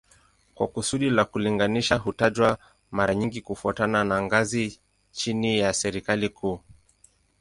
Kwa kusudi la kulinganisha hutajwa mara nyingi kufuatana na ngazi chini ya serikali kuu